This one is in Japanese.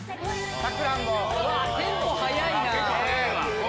テンポ速いな！